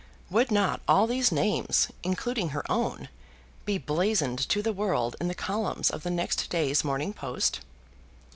Would not all these names, including her own, be blazoned to the world in the columns of the next day's Morning Post?